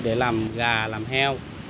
để làm gà làm heo